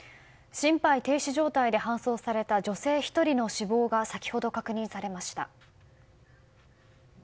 心肺停止状態で搬送された女性１人の死亡が先ほど確認されました。